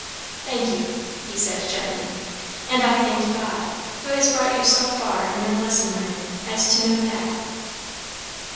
"Thank you," he said gently. "And I thank God, who has brought you so far in your lesson learning as to know that."